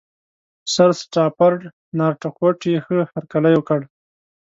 سرسټافرډ نارتکوټ یې ښه هرکلی وکړ.